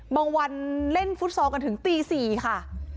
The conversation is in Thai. วันเล่นฟุตซอลกันถึงตี๔ค่ะ